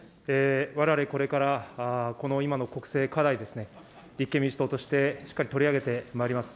われわれ、これからこの今の国政課題ですね、立憲民主党として、しっかり取り上げてまいります。